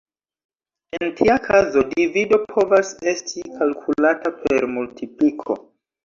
En tia kazo, divido povas esti kalkulata per multipliko.